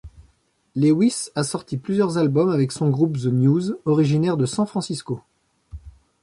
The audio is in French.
Lewis a sorti plusieurs albums avec son groupe The News, originaire de San Francisco.